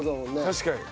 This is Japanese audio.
確かに。